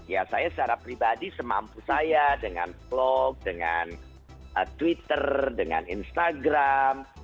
ya saya secara pribadi semampu saya dengan vlog dengan twitter dengan instagram